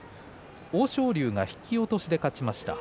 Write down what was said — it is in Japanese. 欧勝竜が引き落としで勝ちました。